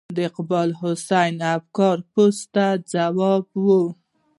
د اقبال حسین افګار پوسټ ته ځواب و.